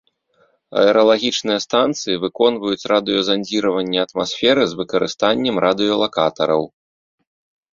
Аэралагічныя станцыі выконваюць радыёзандзіраванне атмасферы з выкарыстаннем радыёлакатараў.